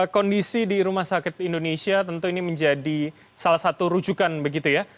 kondisi di rumah sakit indonesia tentu ini menjadi salah satu rujukan begitu ya